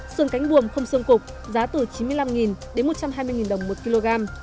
sườn cánh buồm không sườn cục giá từ chín mươi năm đồng đến một trăm hai mươi đồng một kg